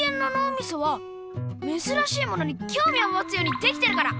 みそはめずらしいものにきょうみをもつようにできてるから！